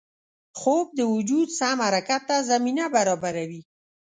خوب د وجود سم حرکت ته زمینه برابروي